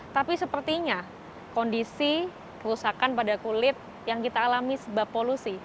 tapi sepertinya kondisi kerusakan pada kulit yang kita alami sebab polusi